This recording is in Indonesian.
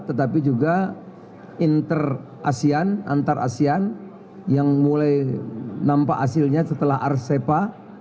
tetapi juga inter asian antar asian yang mulai nampak hasilnya setelah rcepa